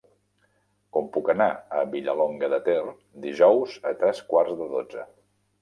Com puc anar a Vilallonga de Ter dijous a tres quarts de dotze?